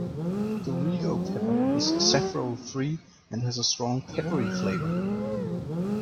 Dorrigo pepper is safrole free and has a strong peppery flavour.